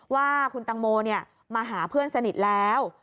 ว่าคุณตังโมมาหาเพื่อนสนิทแล้ว